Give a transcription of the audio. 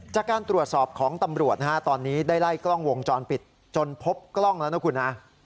จากการตรวจสอบของตำรวจนะฮะตอนนี้ได้ไล่กล้องวงจรปิดจนพบกล้องแล้วนะคุณฮะ